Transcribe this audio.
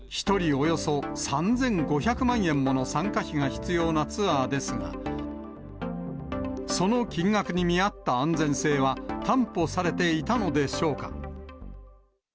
およそ３５００万円もの参加費が必要なツアーですが、その金額に見合った安全性は担保されていたのでしょうか。